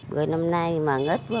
rồi năm nay bằng ít quá